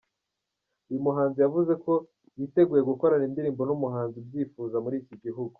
Uyu muhanzi yavuze ko yiteguye gukorana indirimbo n’umuhanzi ubyifuza muri iki gihugu.